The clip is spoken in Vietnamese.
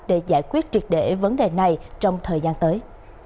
để giải quyết triệt để vấn đề này trong thời gian tới